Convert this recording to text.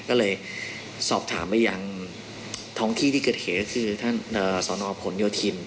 ก็เลยสอบถามไปยังท้องที่ที่เกิดเหตุนะคือท่านอรแพงศนองภรณ์โยธิน